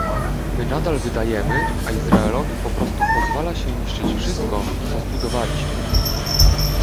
My nadal wydajemy, a Izraelowi po prostu pozwala się niszczyć wszystko, co zbudowaliśmy